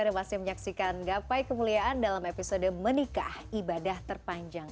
anda masih menyaksikan gapai kemuliaan dalam episode menikah ibadah terpanjang